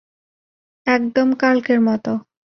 একদম কালকের মতো।